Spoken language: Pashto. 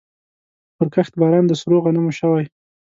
پرکښت باران د سرو غنمو شوی